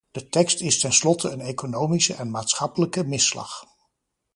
De tekst is ten slotte een economische en maatschappelijke misslag.